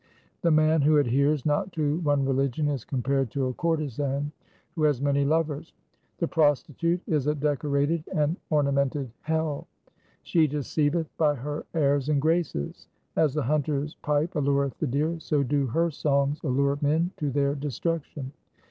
1 The man who adheres not to one religion is com pared to a courtesan who has many lovers :— The prostitute is a decorated and ornamented hell. ^She deceiveth by her airs and graces. As the hunter's pipe allureth the deer, so do her songs allure men to their de struction.